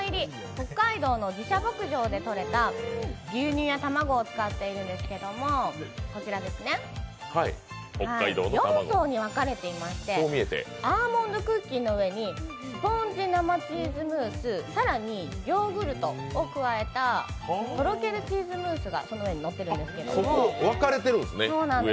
北海道の自社牧場でとれた牛乳や卵を使っているんですけど４層に分かれていまして、アーモンドクッキーの上にスポンジ、生チーズムース、更に、ヨーグルトを加えたとろけるチーズムースがその上にのってるんですけど。